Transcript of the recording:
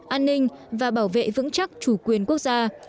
an ninh và bảo vệ vững chắc chủ quyền quốc gia